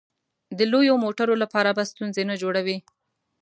د لویو موټرو لپاره به ستونزې نه جوړوې.